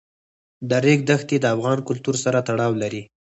د ریګ دښتې د افغان کلتور سره تړاو لري.